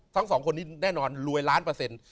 ทั้งสองคนนี้แน่นอนรวยล้านเปอร์เซ็นต์